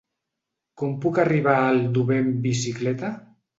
Com puc arribar a Aldover amb bicicleta?